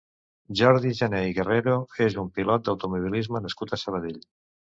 Jordi Gené i Guerrero és un pilot d'automobilisme nascut a Sabadell.